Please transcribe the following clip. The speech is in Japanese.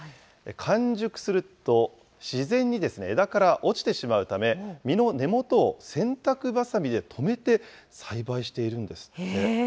完熟すると、自然にですね、枝から落ちてしまうため、実の根元を洗濯ばさみで留めて、栽培しているんですって。